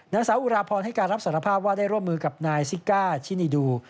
นางสาวอุราพรให้การรับสารภาพว่าได้ร่วมมือกับนายซิก้าชินีดู